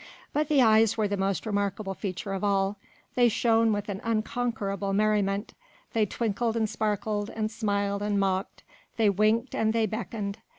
But the eyes were the most remarkable feature of all. They shone with an unconquerable merriment, they twinkled and sparkled, and smiled and mocked, they winked and they beckoned.